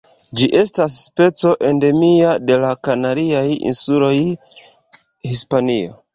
Ĝi estas specio endemia de la Kanariaj Insuloj, Hispanio.